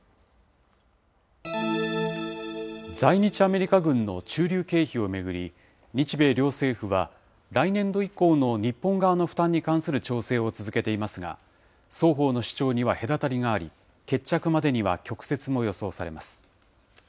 在日アメリカ軍の駐留経費を巡り、日米両政府は来年度以降の日本側の負担に関する調整を続けていますが、双方の主張には隔たりがあり、決着までには曲折も予想されます。